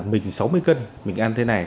mình sáu mươi cân mình ăn thế này